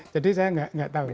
jadi saya tidak tahu